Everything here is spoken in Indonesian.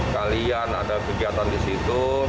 kalian ada kegiatan di situ